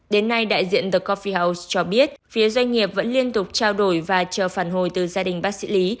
đến nay đại diện the cophealth cho biết phía doanh nghiệp vẫn liên tục trao đổi và chờ phản hồi từ gia đình bác sĩ lý